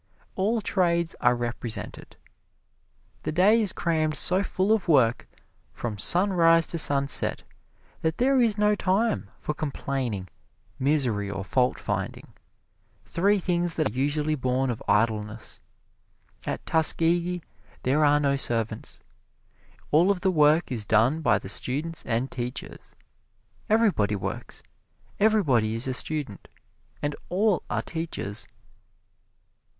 All trades are represented. The day is crammed so full of work from sunrise to sunset that there is no time for complaining, misery or faultfinding three things that are usually born of idleness. At Tuskegee there are no servants. All of the work is done by the students and teachers everybody works everybody is a student, and all are teachers.